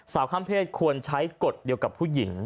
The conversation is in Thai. สาวค่ำเพศควรใช้กฎเดียวกับผู้หญิง